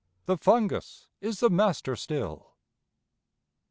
The fungus is the master still.